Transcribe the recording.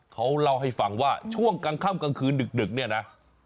เขาเล่าให้ฟังว่าช่วงกลางค่ำกลางคืนดึกเนี่ยนะ